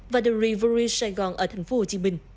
và the rivery saigon ở tp hcm